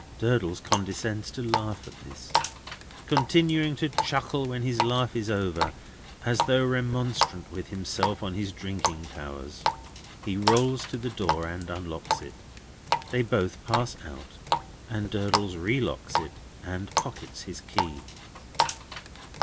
Durdles condescends to laugh at this. Continuing to chuckle when his laugh is over, as though remonstrant with himself on his drinking powers, he rolls to the door and unlocks it. They both pass out, and Durdles relocks it, and pockets his key.